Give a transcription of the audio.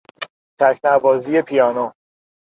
تکنوازی پیانو